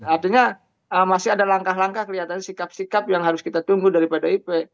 artinya masih ada langkah langkah kelihatannya sikap sikap yang harus kita tunggu dari pdip